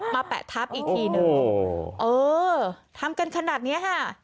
มาแปะทับอีกทีนึงโอ้โหเออทำกันขนาดเนี้ยฮะ